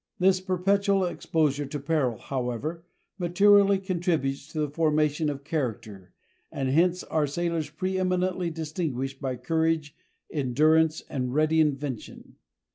This perpetual exposure to peril, however, materially contributes to the formation of character, and hence are sailors preeminently distinguished by courage, endurance, and ready invention.